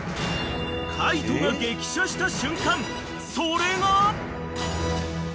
［海人が激写した瞬間それが］